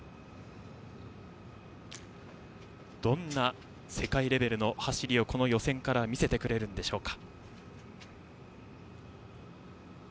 どんな世界レベルの走りをこの予選から見せてくれるんでしょうか。